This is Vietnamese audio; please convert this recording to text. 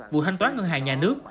vụ hành toán ngân hàng nhà nước